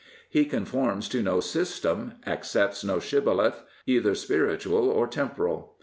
He conforms to no system, accepts no shibboleth, either spiritual or temporal.